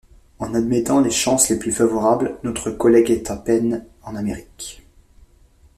En admettant les chances les plus favorables, notre collègue est à peine en Amérique!